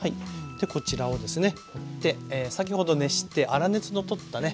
こちらをですね持って先ほど熱して粗熱の取ったね